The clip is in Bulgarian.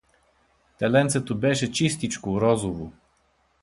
Теленцето беше чистичко, розово.